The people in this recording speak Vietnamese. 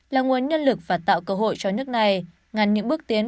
là nguồn nhân lực và tạo cơ hội cho nước này ngăn những bước tiến